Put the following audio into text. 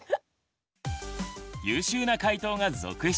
優秀な解答が続出！